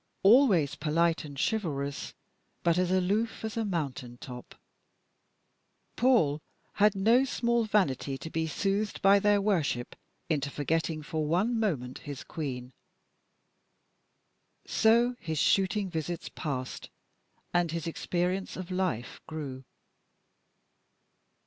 Always polite and chivalrous, but as aloof as a mountain top. Paul had no small vanity to be soothed by their worship into forgetting for one moment his Queen. So his shooting visits passed, and his experience of life grew.